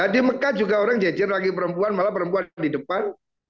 di mekah juga orang jajar lagi perempuan malah perempuan di depan